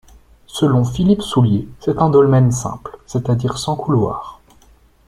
Selon Philippe Soulier, c'est un dolmen simple, c'est-à-dire sans couloir.